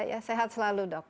ya sehat selalu dok